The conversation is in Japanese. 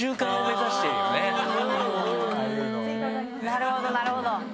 なるほどなるほど。